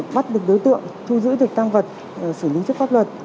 bắt được đối tượng thu giữ được tăng vật xử lý trước pháp luật